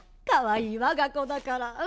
かわいい我が子だから。